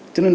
cho nên là